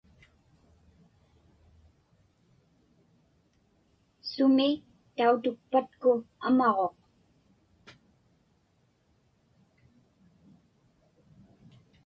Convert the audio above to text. Sumi tautukpatku amaġuq?